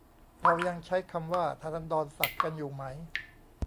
เรายังใช้คำว่าฐานันดรศักดิ์กันอยู่ไหม